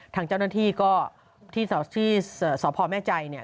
ทางเจ้าหน้าที่ก็ที่สพแม่ใจเนี่ย